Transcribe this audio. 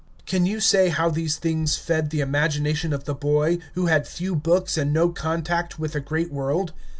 Can you say how these things fed the imagination of the boy, who had few books and no contact with the great world?